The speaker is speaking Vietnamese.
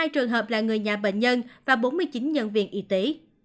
một mươi hai trường hợp là người nhà bệnh nhân và bốn mươi chín nhân viên y tế